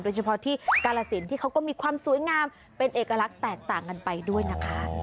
โดยเฉพาะที่กาลสินที่เขาก็มีความสวยงามเป็นเอกลักษณ์แตกต่างกันไปด้วยนะคะ